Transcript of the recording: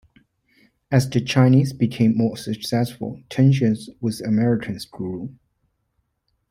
As the Chinese became more successful, tensions with Americans grew.